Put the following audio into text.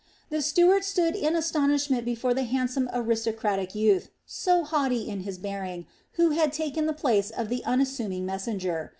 The steward stood in astonishment before the handsome, aristocratic youth, so haughty in his bearing, who had taken the place of the unassuming messenger.